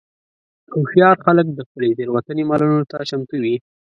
هوښیار خلک د خپلې تېروتنې منلو ته چمتو وي.